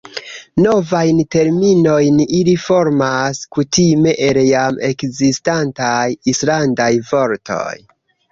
Novajn terminojn ili formas kutime el jam ekzistantaj islandaj vortoj.